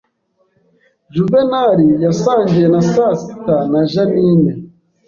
Juvenali yasangiye na sasita na Jeaninne